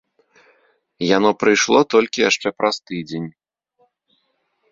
Яно прыйшло толькі яшчэ праз тыдзень.